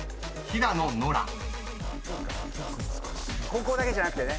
高校だけじゃなくてね。